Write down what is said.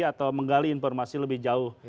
atau menggali informasi lebih jauh